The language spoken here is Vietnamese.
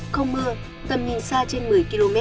không mưa tầm nhìn xa trên một mươi km